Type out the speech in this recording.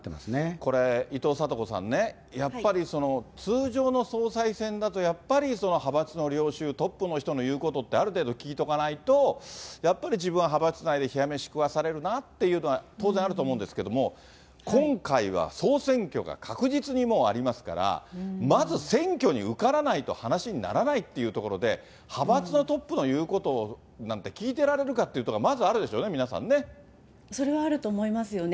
これ、伊藤聡子さんね、やっぱり通常の総裁選だと、やっぱり派閥の領袖、トップの人の言うことってある程度聞いておかないと、やっぱり自分は派閥内で冷や飯食わされるなというのが当然あると思うんですけれども、今回は総選挙が確実にもうありますから、まず選挙に受からないと、話にならないっていうところで、派閥のトップの言うことを聞いてられるかっていうのはまずあるでそれはあると思いますよね。